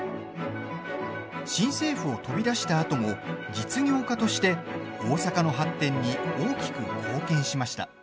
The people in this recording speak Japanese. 新政府を飛び出したあとも実業家として大阪の発展に大きく貢献しました。